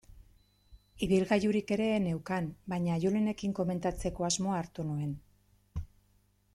Ibilgailurik ere ez neukan, baina Julenekin komentatzeko asmoa hartu nuen.